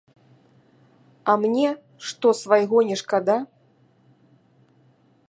А мне, што свайго не шкада?